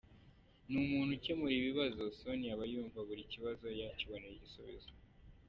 Ni umuntu ukemura ibibazo, Sonia aba yumva buri kibazo yakibonera igisubizo.